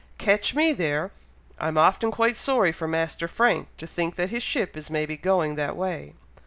Catch me there! I'm often quite sorry for Master Frank, to think that his ship is maybe going that way!